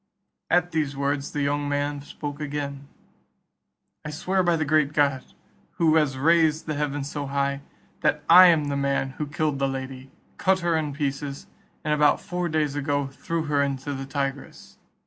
At these words the young man spoke again, "I swear by the great God, who has raised the heavens so high, that I am the man who killed the lady, cut her in pieces, and about four days ago threw her into the Tigris.